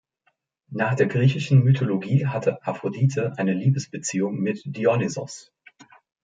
Nach der griechischen Mythologie hatte Aphrodite eine Liebesbeziehung mit Dionysos.